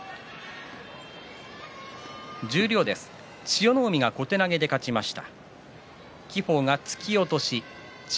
千代の海が小手投げで勝ちました。